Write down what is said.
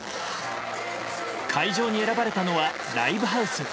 会場に選ばれたのはライブハウス。